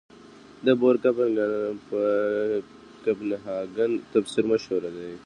د بور کپنهاګن تفسیر مشهور دی.